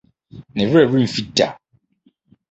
ne werɛ remfi da!